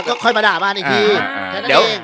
อ่ะก็ค่อยมาด่ามั่นอีกทีเทะครับอาจริงให้ดี